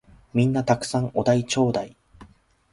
皆んな沢山お題ちょーだい！